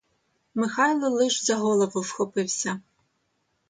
Михайло лиш за голову вхопився.